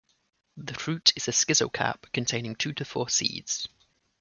The fruit is a schizocarp containing two to four seeds.